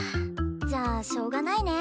じゃあしょうがないね。